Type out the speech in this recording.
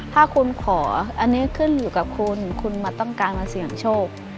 ถ้าคุณขออันนี้ขึ้นอยู่กับคุณคุณมาต้องการมาเสี่ยงโชค